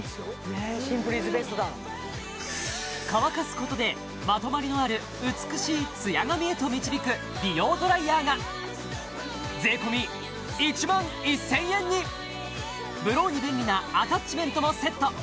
ねっシンプルイズベストだ乾かすことでまとまりのある美しいツヤ髪へと導く美容ドライヤーがブローに便利なアタッチメントもセット